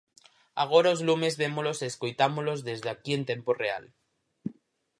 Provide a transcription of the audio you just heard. Agora os lumes vémolos e escoitámolos desde aquí en tempo real.